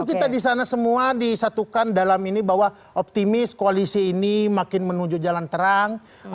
karena disatukan dalam ini bahwa optimis koalisi ini makin menuju jalan terang